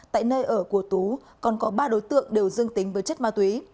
tại nơi ở của tú còn có ba đối tượng đều dương tính với chất ma túy